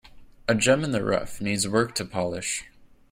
A gem in the rough needs work to polish.